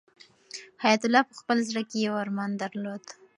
حیات الله په خپل زړه کې یو ارمان درلود.